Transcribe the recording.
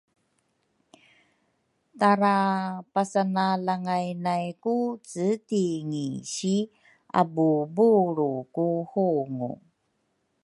Tara pasana langay nay ku cetingi si abuubulru ku hungu